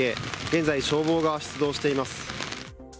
現在、消防が出動しています。